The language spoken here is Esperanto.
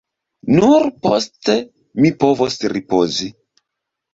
Nur poste mi povos ripozi.